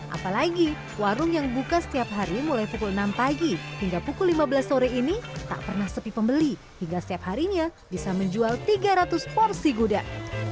apalagi warung yang buka setiap hari mulai pukul enam pagi hingga pukul lima belas sore ini tak pernah sepi pembeli hingga setiap harinya bisa menjual tiga ratus porsi gudeg